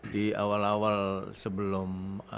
di awal awal sebelum